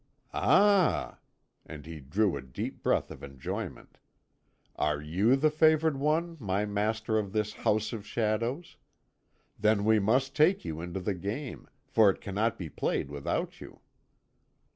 "Ah!" and he drew a deep breath of enjoyment. "Are you the favoured one, my master of this House of Shadows! Then we must take you into the game, for it cannot be played without you."